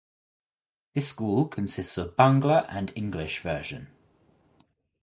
This school consists of Bangla and English Version.